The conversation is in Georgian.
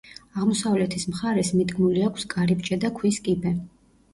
აღმოსავლეთის მხარეს მიდგმული აქვს კარიბჭე და ქვის კიბე.